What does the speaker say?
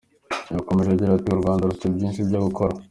Yakomeje agira ati : “U Rwanda rufite byinshi byo gukora.